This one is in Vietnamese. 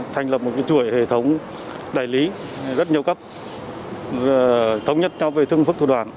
thành lập một chuỗi hệ thống đại lý rất nhiều cấp thống nhất nhau về thương phức thủ đoàn